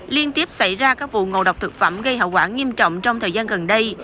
liên tiếp xảy ra các vụ ngộ độc thực phẩm gây hậu quả nghiêm trọng trong thời gian gần đây